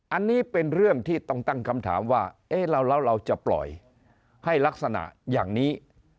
อันนี้เป็นเรื่องที่ต้องตั้งคำถามว่าเอ๊ะแล้วเราจะปล่อยให้ลักษณะอย่างนี้